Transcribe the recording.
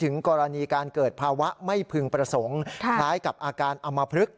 ถึงกรณีการเกิดภาวะไม่พึงประสงค์คล้ายกับอาการอมพลึก